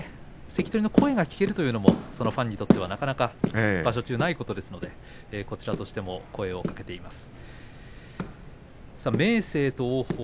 こうして関取の声が聞こえるというのもファンにとっては場所中でなかなかないことですからこちらにしても声をかけています。